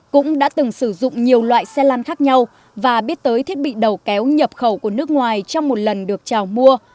cũng đã từng sử dụng nhiều loại xe lan khác nhau và biết tới thiết bị đầu kéo nhập khẩu của nước ngoài trong một lần được trào mua